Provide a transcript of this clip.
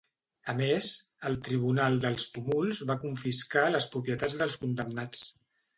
A més, el Tribunal dels Tumults va confiscar les propietats dels condemnats.